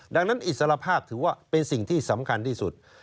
ดังนั้นอิสระภาพถือว่าเป็นสิ่งที่สำคัญที่สุด